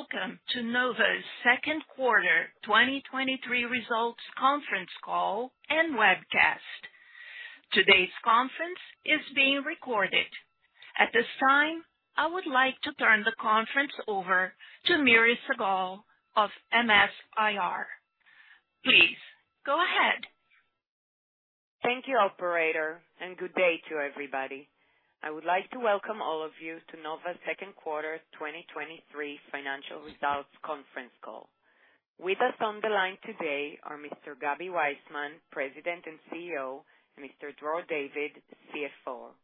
Good day. Welcome to Nova's second quarter 2023 results conference call and webcast. Today's conference is being recorded. At this time, I would like to turn the conference over to Miri Segal of MS-IR. Please, go ahead. Thank you, operator, and good day to everybody. I would like to welcome all of you to Nova's second quarter 2023 financial results conference call. With us on the line today are Mr. Gabi Weissman, President and CEO, and Mr. Dror David, CFO.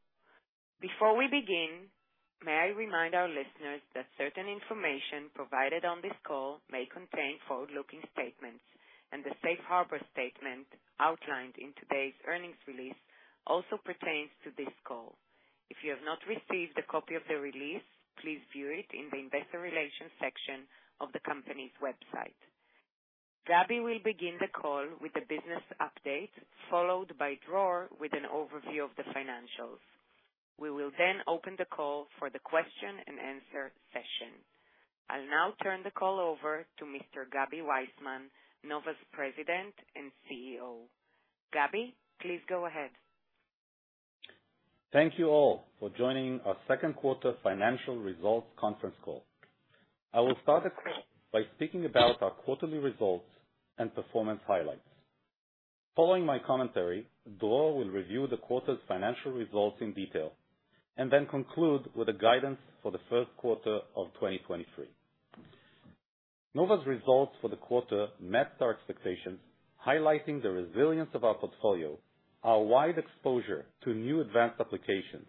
Before we begin, may I remind our listeners that certain information provided on this call may contain forward-looking statements, and the safe harbor statement outlined in today's earnings release also pertains to this call. If you have not received a copy of the release, please view it in the investor relations section of the company's website. Gabi will begin the call with a business update, followed by Dror with an overview of the financials. We will then open the call for the question-and-answer session. I'll now turn the call over to Mr. Gabi Weissman, Nova's President and CEO. Gabi, please go ahead. Thank you, all, for joining our second quarter financial results conference call. I will start the call by speaking about our quarterly results and performance highlights. Following my commentary, Dror will review the quarter's financial results in detail, and then conclude with a guidance for the first quarter of 2023. Nova's results for the quarter met our expectations, highlighting the resilience of our portfolio, our wide exposure to new advanced applications,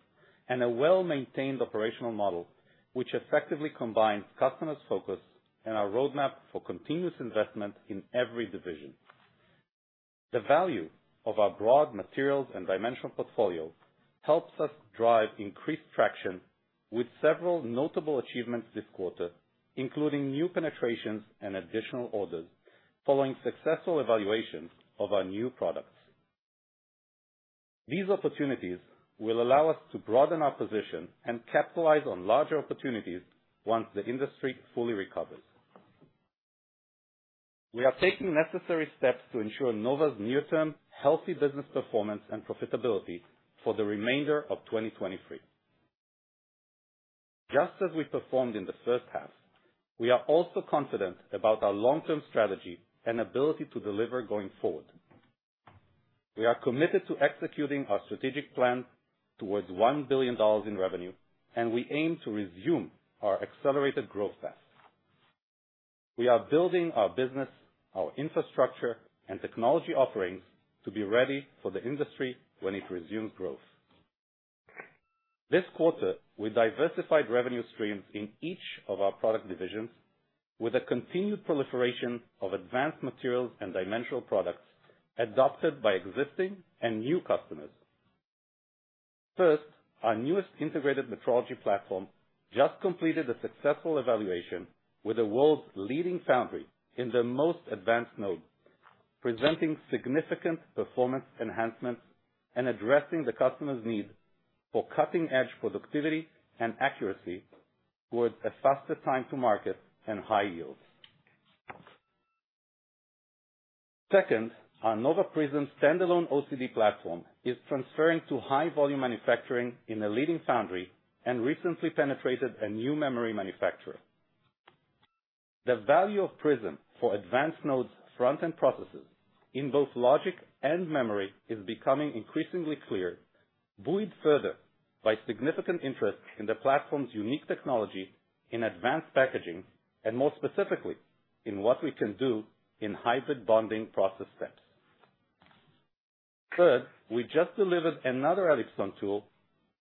and a well-maintained operational model, which effectively combines customers' focus and our roadmap for continuous investment in every division. The value of our broad materials and dimensional portfolio helps us drive increased traction with several notable achievements this quarter, including new penetrations and additional orders following successful evaluations of our new products. These opportunities will allow us to broaden our position and capitalize on larger opportunities once the industry fully recovers. We are taking necessary steps to ensure Nova's near-term, healthy business performance and profitability for the remainder of 2023. Just as we performed in the first half, we are also confident about our long-term strategy and ability to deliver going forward. We are committed to executing our strategic plan towards $1 billion in revenue, and we aim to resume our accelerated growth path. We are building our business, our infrastructure, and technology offerings to be ready for the industry when it resumes growth. This quarter, we diversified revenue streams in each of our product divisions with a continued proliferation of advanced materials and dimensional products adopted by existing and new customers. First, our newest integrated metrology platform just completed a successful evaluation with the world's leading foundry in their most advanced node, presenting significant performance enhancements and addressing the customer's need for cutting-edge productivity and accuracy, with a faster time to market and high yields. Second, our Nova PRISM standalone OCD platform is transferring to high-volume manufacturing in a leading foundry and recently penetrated a new memory manufacturer. The value of PRISM for advanced nodes front-end processes in both logic and memory is becoming increasingly clear, buoyed further by significant interest in the platform's unique technology in advanced packaging, and more specifically, in what we can do in hybrid bonding process steps. Third, we just delivered another ELIPSON tool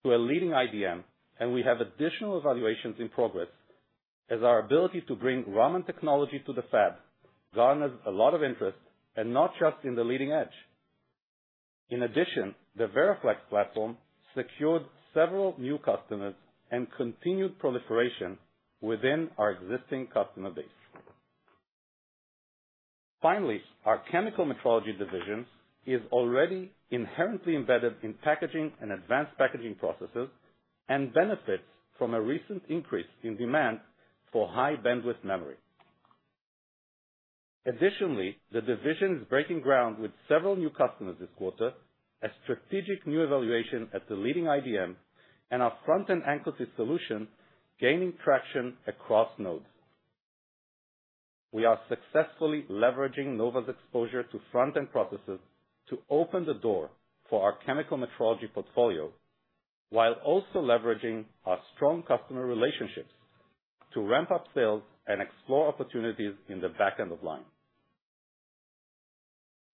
to a leading IDM, and we have additional evaluations in progress as our ability to bring Raman technology to the fab garners a lot of interest, and not just in the leading edge. The Veriflex platform secured several new customers and continued proliferation within our existing customer base. Our chemical metrology division is already inherently embedded in packaging and advanced packaging processes, and benefits from a recent increase in demand for high-bandwidth memory. The division is breaking ground with several new customers this quarter, a strategic new evaluation at the leading IDM, and our front-end annuity solution gaining traction across nodes. We are successfully leveraging Nova's exposure to front-end processes to open the door for our chemical metrology portfolio, while also leveraging our strong customer relationships to ramp up sales and explore opportunities in the back end of line.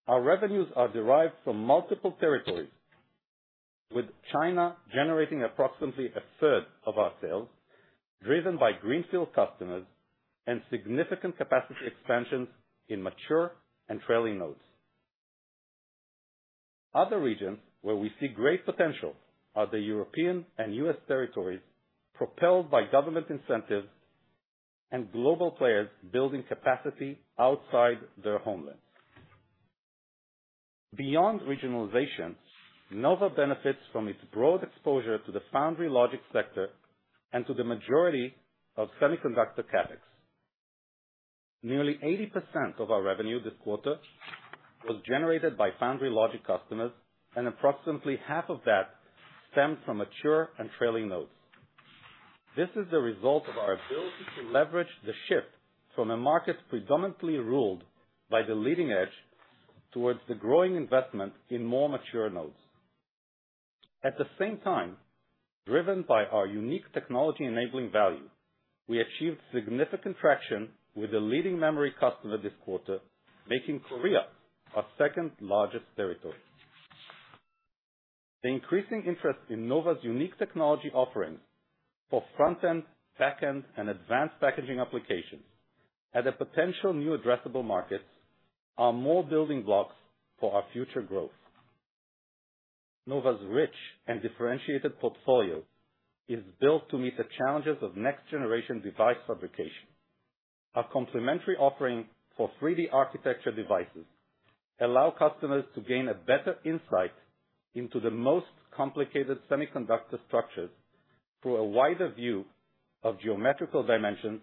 Our revenues are derived from multiple territories, with China generating approximately a third of our sales, driven by greenfield customers and significant capacity expansions in mature and trailing nodes. Other regions where we see great potential are the European and US territories, propelled by government incentives and global players building capacity outside their homeland. Beyond regionalization, Nova benefits from its broad exposure to the foundry logic sector and to the majority of semiconductor CapEx. Nearly 80% of our revenue this quarter was generated by foundry logic customers, and approximately 50% of that stemmed from mature and trailing nodes. This is the result of our ability to leverage the shift from a market predominantly ruled by the leading edge, towards the growing investment in more mature nodes. At the same time, driven by our unique technology-enabling value, we achieved significant traction with a leading memory customer this quarter, making Korea our second-largest territory. The increasing interest in Nova's unique technology offerings for front-end, back-end, and advanced packaging applications, as a potential new addressable markets, are more building blocks for our future growth. Nova's rich and differentiated portfolio is built to meet the challenges of next-generation device fabrication. Our complementary offering for 3D architecture devices allow customers to gain a better insight into the most complicated semiconductor structures, through a wider view of geometrical dimensions,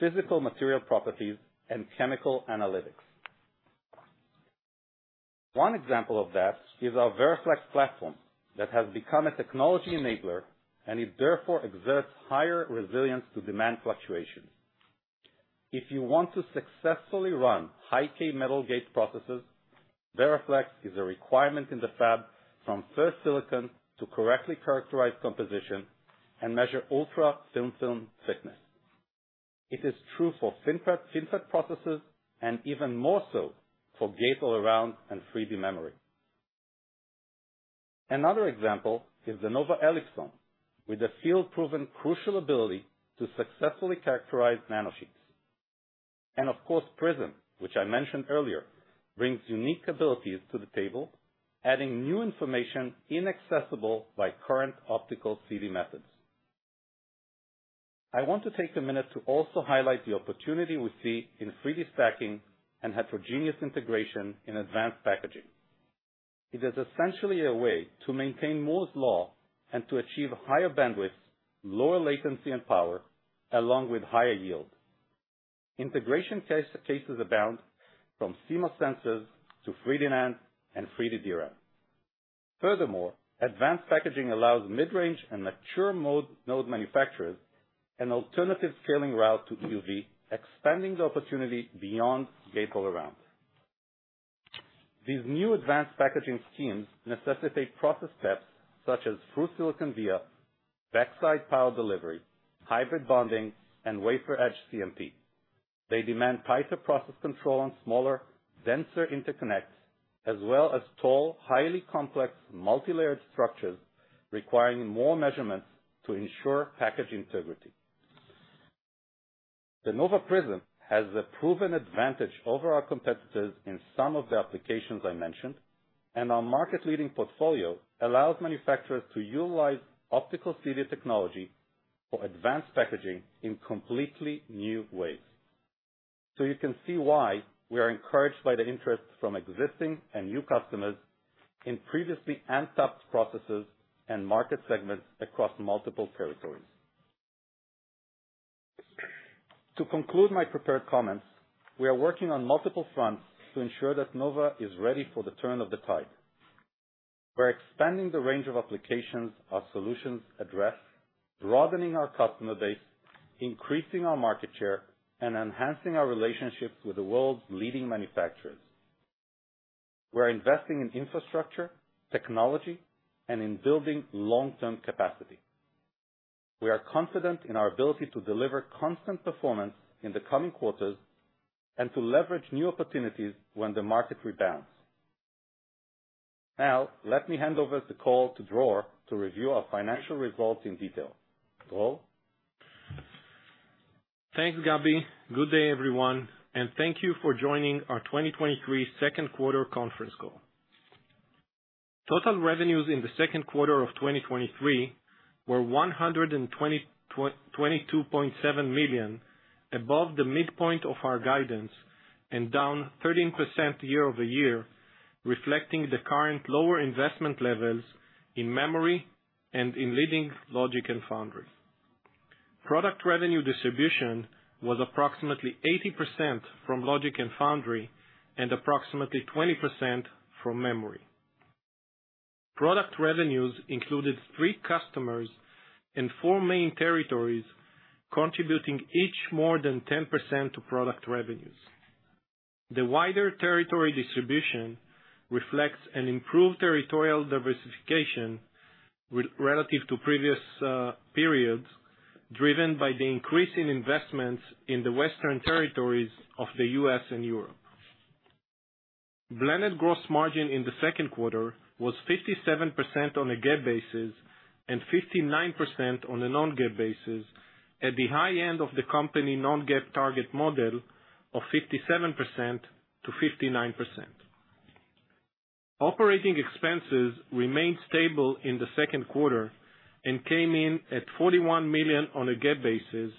physical material properties, and chemical analytics. One example of that is our Veriflex platform, that has become a technology enabler and it therefore exerts higher resilience to demand fluctuations. If you want to successfully run high-k metal gate processes, Veriflex is a requirement in the fab from first silicon to correctly characterize composition and measure ultra-thin film thickness. It is true for FinFET, FinFET processes and even more so for gate-all-around and 3D memory. Another example is the Nova ELIPSON, with a field-proven crucial ability to successfully characterize nanosheets. Of course, PRISM, which I mentioned earlier, brings unique abilities to the table, adding new information inaccessible by current optical CD methods. I want to take a minute to also highlight the opportunity we see in 3D stacking and heterogeneous integration in advanced packaging. It is essentially a way to maintain Moore's Law and to achieve higher bandwidth, lower latency and power, along with higher yield. Integration case, cases abound from CMOS sensors to 3D NAND and 3D DRAM. Furthermore, advanced packaging allows mid-range and mature node manufacturers an alternative scaling route to EUV, expanding the opportunity beyond gate-all-around. These new advanced packaging schemes necessitate process steps such as through-silicon via, backside power delivery, hybrid bonding, and wafer edge CMP. They demand tighter process control on smaller, denser interconnects, as well as tall, highly complex, multilayered structures, requiring more measurements to ensure package integrity. The Nova PRISM has a proven advantage over our competitors in some of the applications I mentioned. Our market-leading portfolio allows manufacturers to utilize optical CD technology for advanced packaging in completely new ways. You can see why we are encouraged by the interest from existing and new customers in previously untapped processes and market segments across multiple territories. To conclude my prepared comments, we are working on multiple fronts to ensure that Nova is ready for the turn of the tide. We're expanding the range of applications our solutions address, broadening our customer base, increasing our market share, and enhancing our relationships with the world's leading manufacturers. We're investing in infrastructure, technology, and in building long-term capacity. We are confident in our ability to deliver constant performance in the coming quarters and to leverage new opportunities when the market rebounds. Let me hand over the call to Dror to review our financial results in detail. Dror? Thanks, Gabi. Good day, everyone, and thank you for joining our 2023 second quarter conference call. Total revenues in the second quarter of 2023 were $122.7 million, above the midpoint of our guidance and down 13% year-over-year, reflecting the current lower investment levels in memory and in leading logic and foundry. Product revenue distribution was approximately 80% from logic and foundry, and approximately 20% from memory. Product revenues included three customers in four main territories, contributing each more than 10% to product revenues. The wider territory distribution reflects an improved territorial diversification w- relative to previous periods, driven by the increase in investments in the Western territories of the US and Europe. Blended gross margin in the second quarter was 57% on a GAAP basis and 59% on a non-GAAP basis, at the high end of the company non-GAAP target model of 57%-59%. Operating expenses remained stable in the second quarter and came in at $41 million on a GAAP basis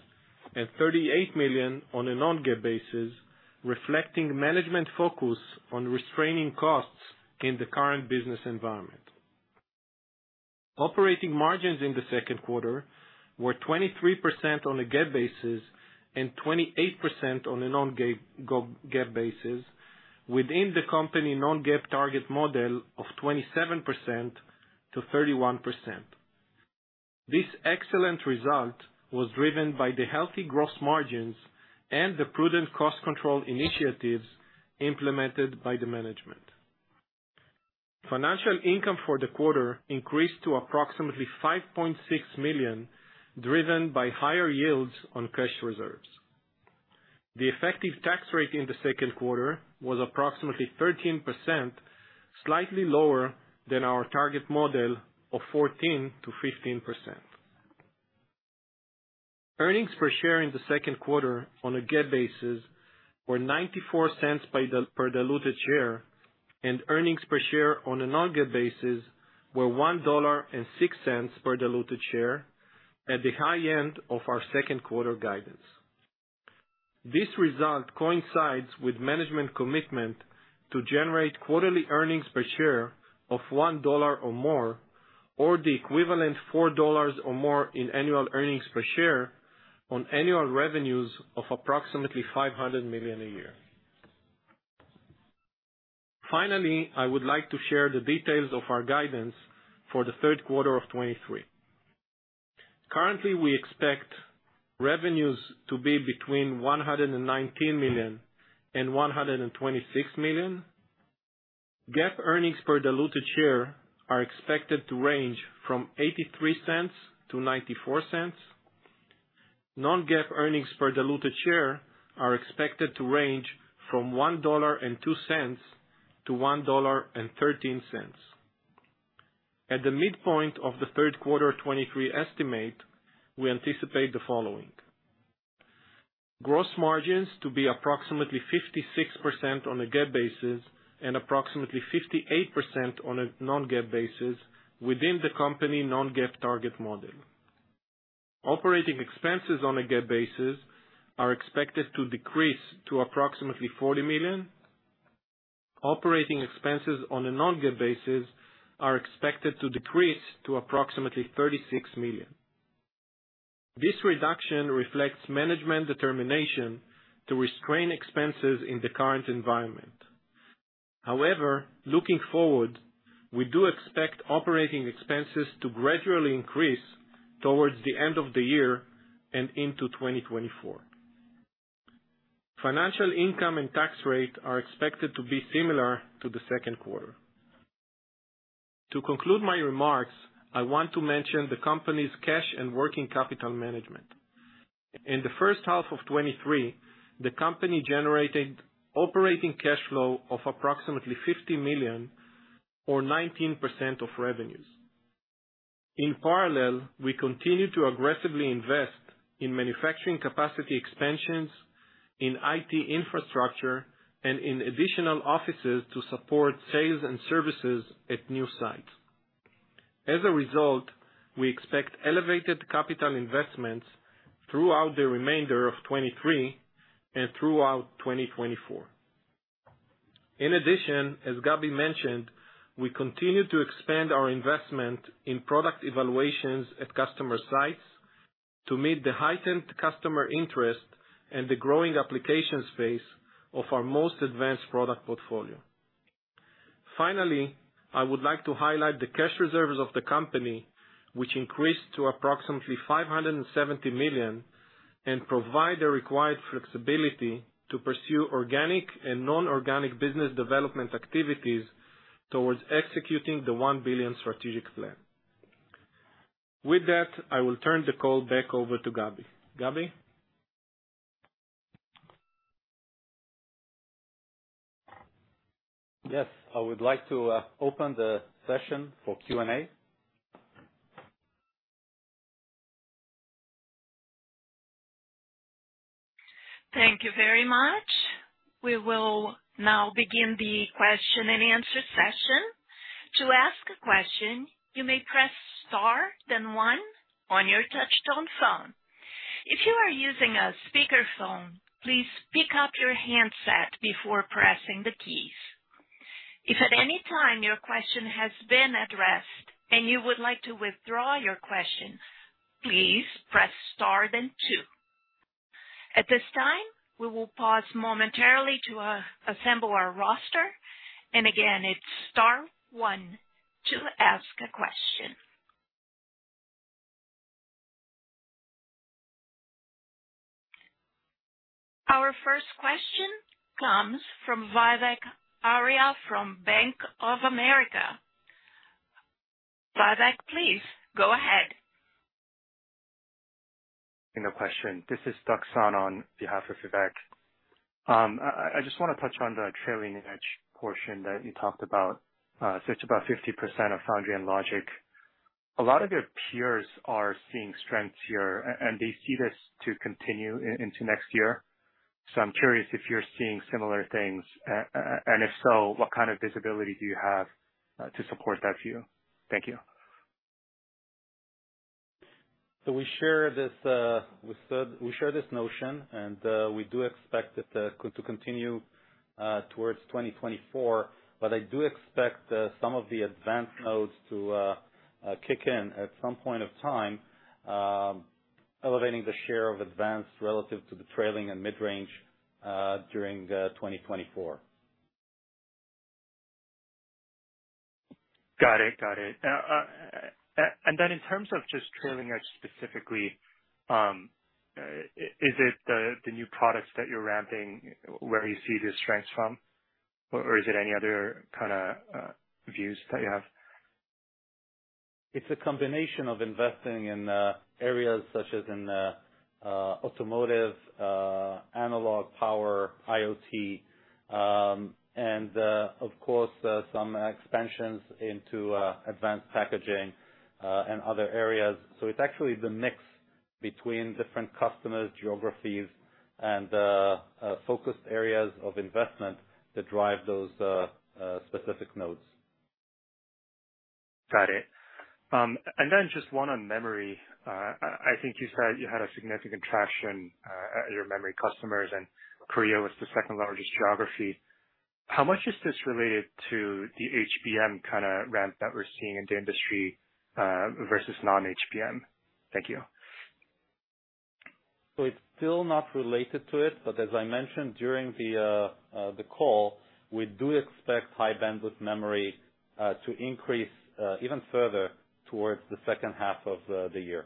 and $38 million on a non-GAAP basis, reflecting management focus on restraining costs in the current business environment. Operating margins in the second quarter were 23% on a GAAP basis and 28% on a non-GAAP basis, within the company non-GAAP target model of 27%-31%. This excellent result was driven by the healthy gross margins and the prudent cost control initiatives implemented by the management. Financial income for the quarter increased to approximately $5.6 million, driven by higher yields on cash reserves. The effective tax rate in the second quarter was approximately 13%, slightly lower than our target model of 14%-15%. Earnings per share in the second quarter on a GAAP basis were $0.94 per diluted share, and earnings per share on a non-GAAP basis were $1.06 per diluted share, at the high end of our second quarter guidance. This result coincides with management commitment to generate quarterly earnings per share of $1 or more, or the equivalent $4 or more in annual earnings per share on annual revenues of approximately $500 million a year. Finally, I would like to share the details of our guidance for the third quarter of 2023. Currently, we expect revenues to be between $119 million and $126 million. GAAP earnings per diluted share are expected to range from $0.83-$0.94. Non-GAAP earnings per diluted share are expected to range from $1.02-$1.13. At the midpoint of the third quarter 2023 estimate, we anticipate the following: gross margins to be approximately 56% on a GAAP basis and approximately 58% on a non-GAAP basis, within the company non-GAAP target model. Operating expenses on a GAAP basis are expected to decrease to approximately $40 million. Operating expenses on a non-GAAP basis are expected to decrease to approximately $36 million. This reduction reflects management determination to restrain expenses in the current environment. Looking forward, we do expect operating expenses to gradually increase towards the end of the year and into 2024. Financial income and tax rate are expected to be similar to the second quarter. To conclude my remarks, I want to mention the company's cash and working capital management. In the first half of 2023, the company generated operating cash flow of approximately $50 million or 19% of revenues. In parallel, we continue to aggressively invest in manufacturing capacity expansions, in IT infrastructure, and in additional offices to support sales and services at new sites. As a result, we expect elevated capital investments throughout the remainder of 2023 and throughout 2024. In addition, as Gaby mentioned, we continue to expand our investment in product evaluations at customer sites to meet the heightened customer interest and the growing application space of our most advanced product portfolio. Finally, I would like to highlight the cash reserves of the company, which increased to approximately $570 million, and provide the required flexibility to pursue organic and non-organic business development activities towards executing the $1 billion strategic plan. With that, I will turn the call back over to Gabi. Gabi? Yes, I would like to open the session for Q&A. Thank you very much. We will now begin the question and answer session. To ask a question, you may press star, then 1 on your touchtone phone. If you are using a speakerphone, please pick up your handset before pressing the keys. If at any time your question has been addressed and you would like to withdraw your question, please press star, then 2. At this time, we will pause momentarily to assemble our roster. Again, it's star 1 to ask a question. Our first question comes from Vivek Arya from Bank of America. Vivek, please go ahead. No question. This is Daksa on behalf of Vivek. I just want to touch on the trailing edge portion that you talked about, so it's about 50% of foundry and logic. A lot of your peers are seeing strength here, and they see this to continue into next year. I'm curious if you're seeing similar things, and if so, what kind of visibility do you have to support that view? Thank you. We share this, we said we share this notion, and we do expect it to continue towards 2024. I do expect some of the advanced nodes to kick in at some point of time, elevating the share of advanced relative to the trailing and mid-range during 2024. Got it. Got it. Then in terms of just trailing edge specifically, is it the, the new products that you're ramping where you see the strengths from, or, or is it any other kind of, views that you have? It's a combination of investing in, areas such as in, automotive, analog power, IoT, and, of course, some expansions into advanced packaging, and other areas. It's actually the mix between different customers, geographies and, focused areas of investment that drive those, specific nodes. Got it. Just 1 on memory. I think you said you had a significant traction at your memory customers, and Korea was the second largest geography. How much is this related to the HBM kind of ramp that we're seeing in the industry versus non-HBM? Thank you. It's still not related to it, but as I mentioned during the call, we do expect high-bandwidth memory to increase even further towards the second half of the year.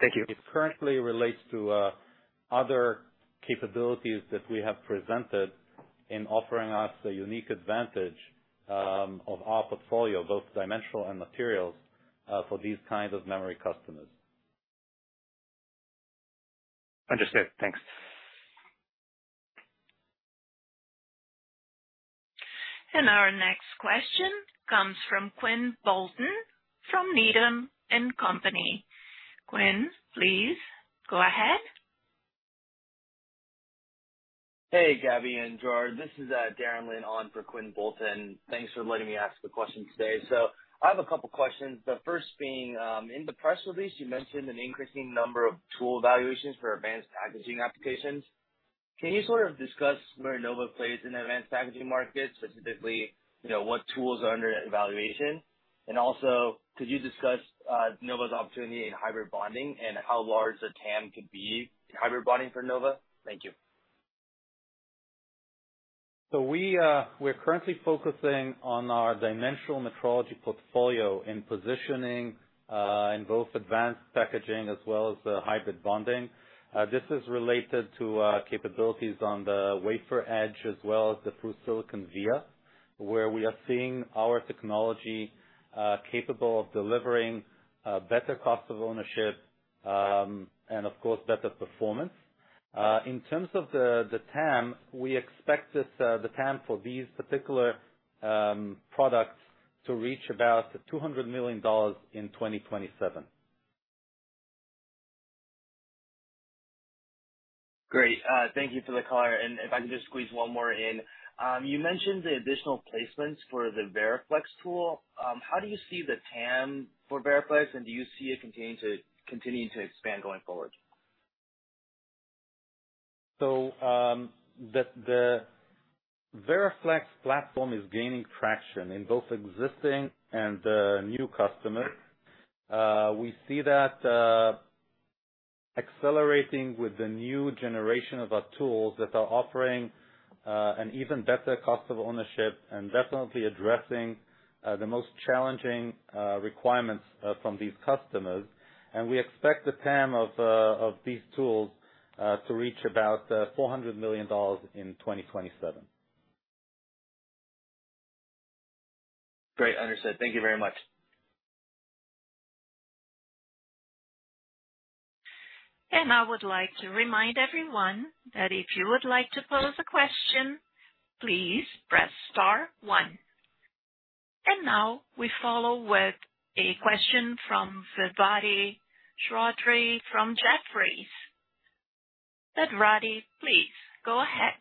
Thank you. It currently relates to other capabilities that we have presented in offering us a unique advantage of our portfolio, both dimensional and materials, for these kinds of memory customers. Understood. Thanks. Our next question comes from Quinn Bolton, from Needham and Company. Quinn, please go ahead. Hey, Gabby and Dror, this is Darren Lynn on for Quinn Bolton. Thanks for letting me ask the question today. I have a couple questions. The first being, in the press release, you mentioned an increasing number of tool evaluations for advanced packaging applications. Can you sort of discuss where Nova plays in the advanced packaging market, specifically, you know, what tools are under evaluation? Also, could you discuss Nova's opportunity in hybrid bonding and how large the TAM could be in hybrid bonding for Nova? Thank you. We're currently focusing on our dimensional metrology portfolio in positioning in both advanced packaging as well as the hybrid bonding. This is related to capabilities on the wafer edge as well as the through-silicon via, where we are seeing our technology capable of delivering better cost of ownership, and of course, better performance. In terms of the TAM, we expect this, the TAM for these particular products to reach about $200 million in 2027. Great. Thank you for the color. If I could just squeeze one more in. You mentioned the additional placements for the Veriflex tool. How do you see the TAM for Veriflex, and do you see it continuing to, continuing to expand going forward? The Veriflex platform is gaining traction in both existing and new customers. We see that accelerating with the new generation of our tools that are offering an even better cost of ownership and definitely addressing the most challenging requirements from these customers. We expect the TAM of these tools to reach about $400 million in 2027. Great. Understood. Thank you very much. I would like to remind everyone that if you would like to pose a question, please press star one. Now we follow with a question from Vedrati Chaudhary from Jefferies. Vedrati, please go ahead.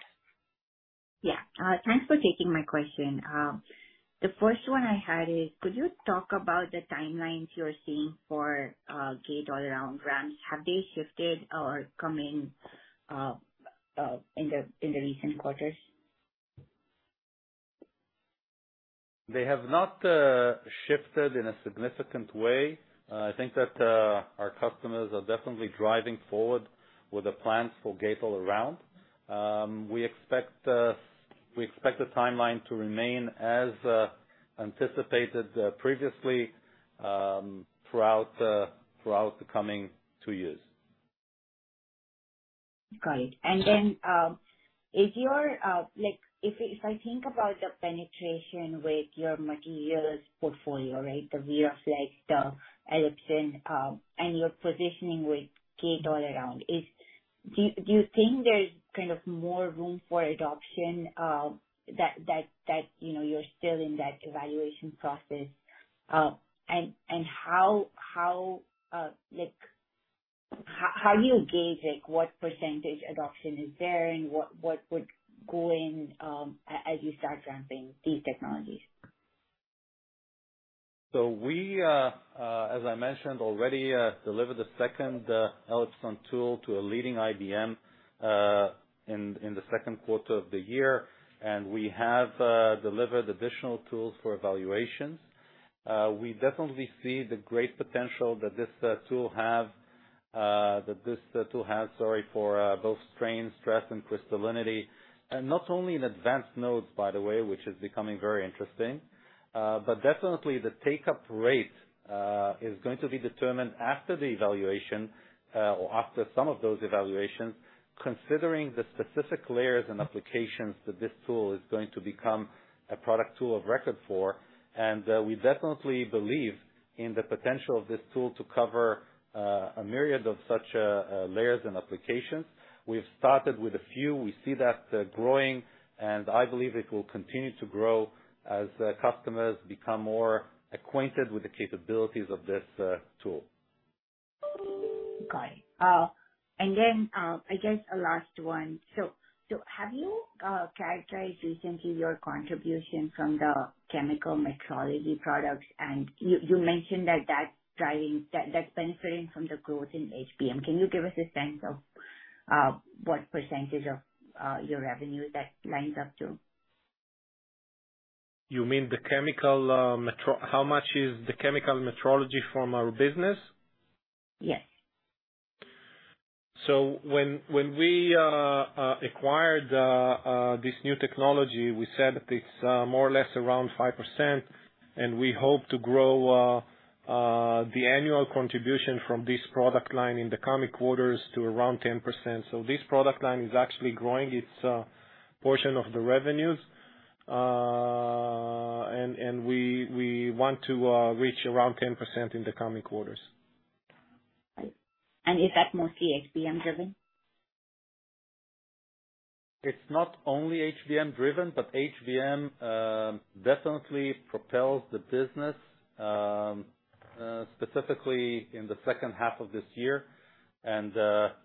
Yeah, thanks for taking my question. The first one I had is, could you talk about the timelines you're seeing for, gate-all-around ramp? Have they shifted or come in, in the recent quarters? They have not shifted in a significant way. I think that our customers are definitely driving forward with the plans for gate-all-around. We expect we expect the timeline to remain as anticipated previously throughout throughout the coming 2 years. Got it. If you're, like, if I, if I think about the penetration with your materials portfolio, right? The Veriflex, the ELIPSON, and your positioning with gate-all-around, is. Do you think there's kind of more room for adoption, that, that, that, you know, you're still in that evaluation process? How do you gauge, like, what percentage adoption is there and what, what would go in as you start ramping these technologies? We, as I mentioned already, delivered the 2nd ELIPSON tool to a leading IDM in the 2nd quarter of the year, and we have delivered additional tools for evaluations. We definitely see the great potential that this tool has, sorry, for both strain, stress, and crystallinity. Not only in advanced nodes, by the way, which is becoming very interesting, but definitely the take-up rate is going to be determined after the evaluation or after some of those evaluations, considering the specific layers and applications that this tool is going to become a product tool of record for. We definitely believe in the potential of this tool to cover a myriad of such layers and applications. We've started with a few. We see that growing, and I believe it will continue to grow as customers become more acquainted with the capabilities of this tool. Got it. I guess a last one. Have you characterized recently your contribution from the chemical metrology products? You mentioned that that's benefiting from the growth in HBM. Can you give us a sense of what % of your revenue that lines up to? You mean the chemical, How much is the chemical metrology from our business? Yes. When we acquired, this new technology, we said that it's, more or less around 5%, and we hope to grow, the annual contribution from this product line in the coming quarters to around 10%. This product line is actually growing its, portion of the revenues, and we, we want to, reach around 10% in the coming quarters. Is that more HBM-driven? It's not only HBM-driven, but HBM definitely propels the business specifically in the second half of this year.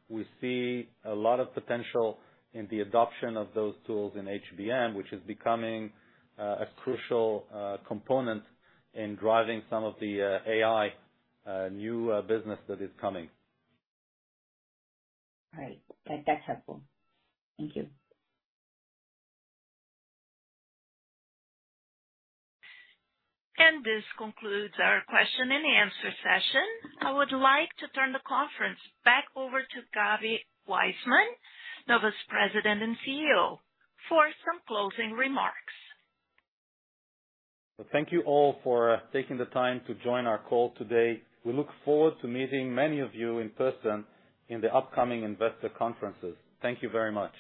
We see a lot of potential in the adoption of those tools in HBM, which is becoming a crucial component in driving some of the AI new business that is coming. Right. That's helpful. Thank you. This concludes our question and answer session. I would like to turn the conference back over to Gaby Waisman, Nova's President and CEO, for some closing remarks. Thank you all for taking the time to join our call today. We look forward to meeting many of you in person in the upcoming investor conferences. Thank you very much.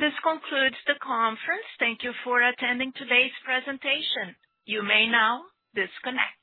This concludes the conference. Thank you for attending today's presentation. You may now disconnect.